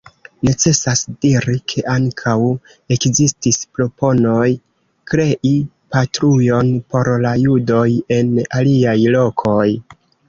Necesas diri ke ankaŭ ekzistis proponoj krei patrujon por la judoj en aliaj lokoj.